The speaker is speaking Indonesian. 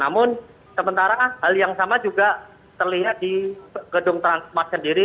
namun sementara hal yang sama juga terlihat di gedung transmart sendiri